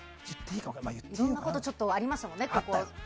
いろんなことありましたよね。